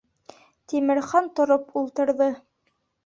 Тимерхан тороп ултырҙы.